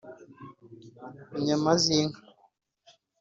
inyama z’inka